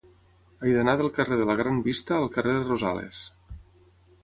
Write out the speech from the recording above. He d'anar del carrer de la Gran Vista al carrer de Rosales.